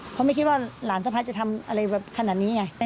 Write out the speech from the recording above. เพราะไม่คิดว่าหลานสะพ้ายจะทำอะไรแบบขนาดนี้ไง